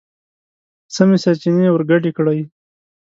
سمې سرچينې ورګډې کړئ!.